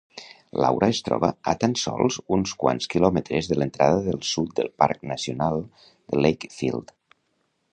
Laura es troba a tan sols uns quants quilòmetres de l'entrada del sud del parc nacional de Lakefield.